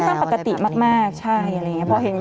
ช่างปกติมากใช่อะไรอย่างนี้